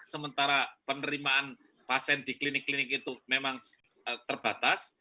sementara penerimaan pasien di klinik klinik itu memang terbatas